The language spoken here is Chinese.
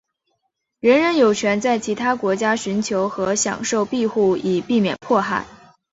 人人有权在其他国家寻求和享受庇护以避免迫害。